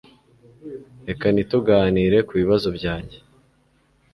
Reka ntituganire kubibazo byanjye.